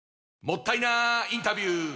もったいなインタビュー！